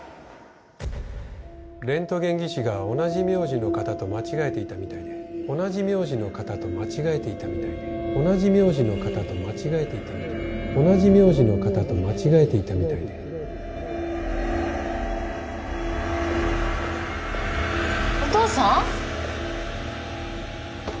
レントゲン技師が同じ苗字の方と間違えていたみたいで同じ苗字の方と間違えていたみたいで同じ苗字の方と間違えていたみたいで同じ苗字の方と間違えていたみたいでお父さん！？